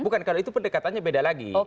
bukan kalau itu pendekatannya beda lagi